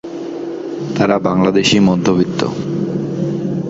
তারা বাংলাদেশী মধ্যবিত্ত।